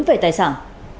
về tài sản